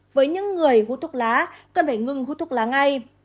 với những người hút thuốc lá cần phải ngừng hút thuốc lá ngay